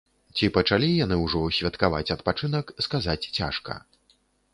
Ці пачалі яны ўжо святкаваць адпачынак, сказаць цяжка.